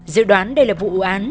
dự đoán đây là vụ án